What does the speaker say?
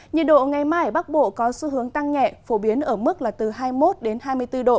nhiệt độ ngày mai ở bắc bộ có xu hướng tăng nhẹ phổ biến ở mức là từ hai mươi một hai mươi bốn độ